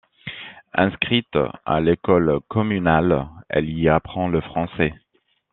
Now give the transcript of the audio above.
Inscrite à l'école communale, elle y apprend le français.